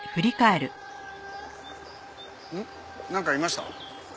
うん？なんかいました？